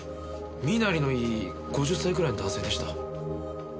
身なりのいい５０歳くらいの男性でした。